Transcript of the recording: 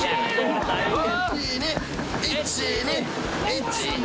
１・２！